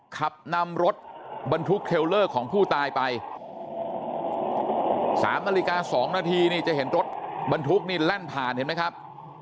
ขับนำรถบรรทุกเทลเลอร์ของผู้ตายไป๓นาฬิกา๒นาทีนี่จะเห็นรถบรรทุกนี่แล่นผ่านเห็นไหมครับ